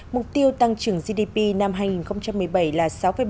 mục tiêu tăng trưởng gdp năm hai nghìn một mươi bảy là sáu bảy